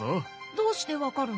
どうして分かるの？